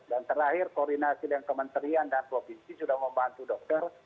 dan terakhir koordinasi dan kementerian dan provinsi sudah membantu dokter